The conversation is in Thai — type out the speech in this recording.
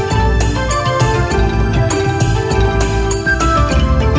โชว์สี่ภาคจากอัลคาซ่าครับ